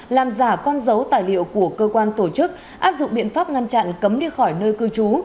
làm giả con dấu tài liệu của cơ quan tổ chức áp dụng biện pháp ngăn chặn cấm đi khỏi nơi cư trú